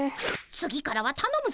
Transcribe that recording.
次からはたのむぞ！